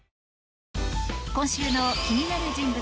今週の気になる人物